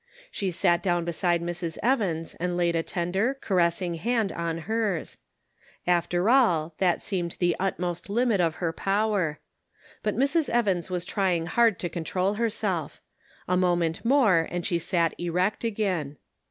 She sat down beside Mrs. Evans and laid a tender, caressing hand on hers ; after all, that seemed 298 The Pocket Measure. the utmost limit of her power. Bat Mrs. Evaus was trying hard to control herself. A moment more and she sat erect again.